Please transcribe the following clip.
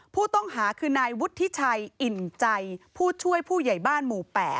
ผู้ต้องหาคือนายวุฒิชัยอิ่มใจผู้ช่วยผู้ใหญ่บ้านหมู่๘